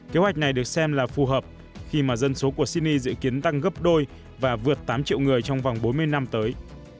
kế hoạch này được xem là phù hợp khi mà dân số của sydney dự kiến tăng gấp đôi và vượt tám triệu người trong vòng bốn mươi năm tới